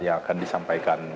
yang akan disampaikan